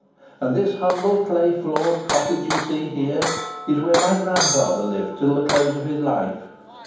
And this humble clay floored cottage you see here, is where my grandfather lived till the close of his life.